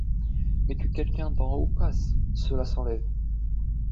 Mais que quelqu'un d'en haut passe, cela s'enlève ;